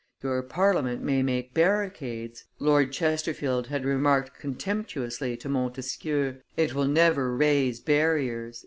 "Your Parliament may make barricades," Lord Chesterfield had remarked contemptuously to Montesquieu, "it will never raise barriers."